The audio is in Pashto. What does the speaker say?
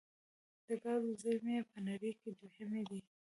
د ګازو زیرمې یې په نړۍ کې دویمې دي.